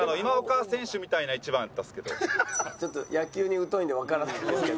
ちょっと野球に疎いのでわからないんですけど。